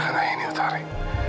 bagaimana dengan aini utari